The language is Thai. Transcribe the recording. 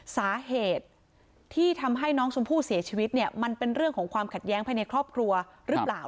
สาเหตุที่ทำให้น้องชมพู่เสียชีวิตเนี่ยมันเป็นเรื่องของความขัดแย้งภายในครอบครัวหรือเปล่า